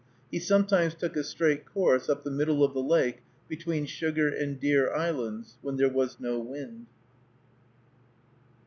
He sometimes took a straight course up the middle of the lake between Sugar and Deer islands, when there was no wind.